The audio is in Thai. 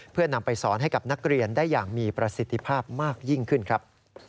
เพื่อนำไปสอนให้กับนักเรียนได้อย่างมีประสิทธิภาพมากยิ่งขึ้นครับ